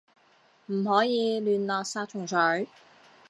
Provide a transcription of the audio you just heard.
唔可以亂落殺蟲水